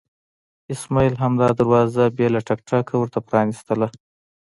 اسماعیل همدا دروازه بې له ټک ټکه ورته پرانستله.